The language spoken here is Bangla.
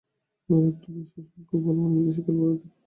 এবার একটু বেশি সংখ্যক ভালো মানের বিদেশি খেলোয়াড় দেখা যেতে পারে।